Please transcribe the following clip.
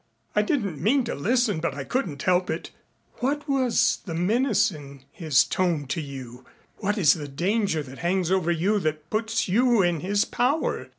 I didn't mean to listen but I couldn't help it. What was the menace in his tone to you? What is the danger that hangs over you that puts you in his power?